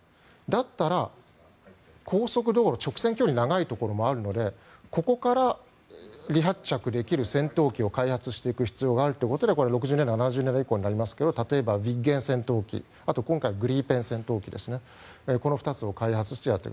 だったら高速道路直線距離、長いところもあるのでここから離発着できる戦闘機を開発していく必要性があるということで６０年、７０年代以降になりますが例えば今回のグリペン戦闘機などこの２つを開発したと。